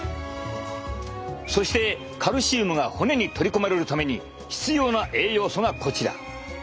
そしてカルシウムが骨に取り込まれるために必要な栄養素がこちら。